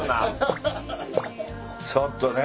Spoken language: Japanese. ちょっとね。